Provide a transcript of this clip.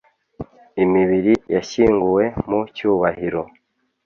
imibiri yashyinguwe mu cyubahiro